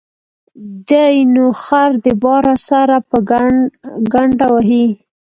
دى نو خر د باره سره په گڼده وهي.